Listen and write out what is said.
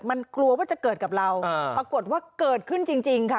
มันกลัวว่าจะเกิดกับเราปรากฏว่าเกิดขึ้นจริงค่ะ